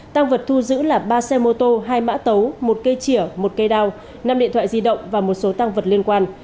tăng vật thu giữ là ba xe mô tô hai mã tấu một cây chĩa một cây đao năm điện thoại di động và một số tăng vật liên quan